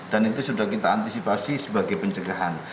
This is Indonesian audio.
dan itu sudah kita antisipasi sebagai pencegahan